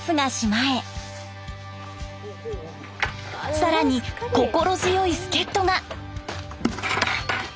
更に心強い助っとが。